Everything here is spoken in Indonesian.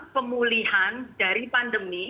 pemulihan dari pandemi